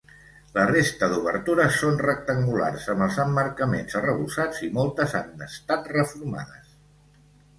La resta d'obertures són rectangulars, amb els emmarcaments arrebossats i moltes han estat reformades.